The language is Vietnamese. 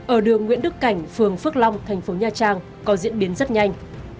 ở đường nguyễn đức cảnh phường phước long thành phố nha trang có diễn biến rất nhanh